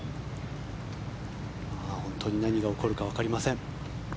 本当に何が起こるかわかりません。